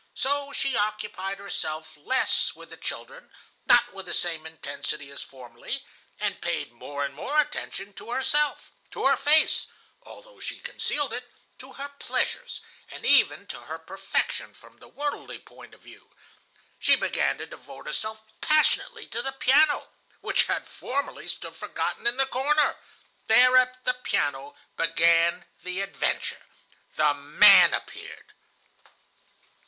So she occupied herself less with the children, not with the same intensity as formerly, and paid more and more attention to herself, to her face,—although she concealed it,—to her pleasures, and even to her perfection from the worldly point of view. She began to devote herself passionately to the piano, which had formerly stood forgotten in the corner. There, at the piano, began the adventure. "The man appeared."